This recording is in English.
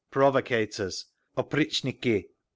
Provocators! _Opritchniki!